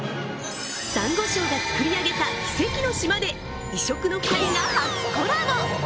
サンゴ礁が創り上げた奇跡の島で異色の２人が初コラボ！